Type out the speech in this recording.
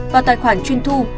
vào tài khoản chuyên thu